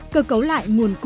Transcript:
cơ cấu lại nguyên liệu